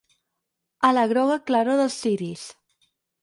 ...a la groga claror dels ciris